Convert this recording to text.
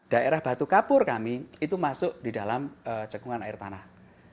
daerah batu kapur kami itu masuk di dalam cekungan air tanah